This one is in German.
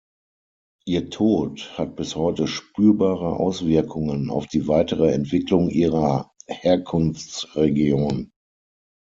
Ihr Tod hat bis heute spürbare Auswirkungen auf die weitere Entwicklung ihrer Herkunftsregion.